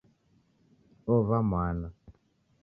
Ovaa mwana